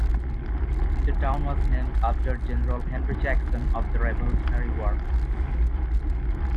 The town was named after General Henry Jackson of the Revolutionary War.